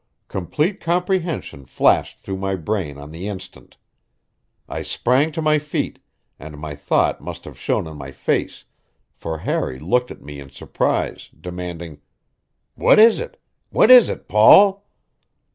Complete comprehension flashed through my brain on the instant. I sprang to my feet, and my thought must have shown on my face, for Harry looked at me in surprise, demanding: "What is it? What is it, Paul?"